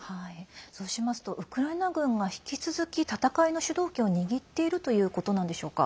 そうしますとウクライナ軍が引き続き戦いの主導権を握っているということなんでしょうか？